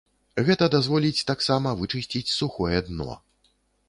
Гэта дазволіць таксама вычысціць сухое дно.